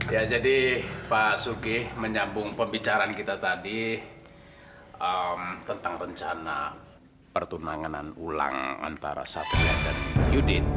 ya jadi pak suki menyambung pembicaraan kita tadi tentang rencana pertunanganan ulang antara satria dan yudin